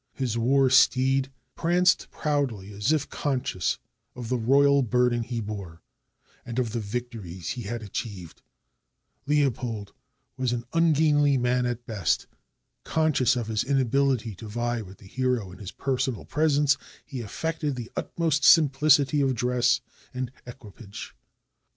His war steed pranced proudly as if conscious of the royal burden he bore, and of the victories he had achieved. Leopold was an un gainly man at the best. Conscious of his inability to vie with the hero in his personal presence, he affected the utmost simplicity of dress and equipage.